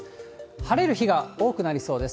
晴れる日が多くなりそうです。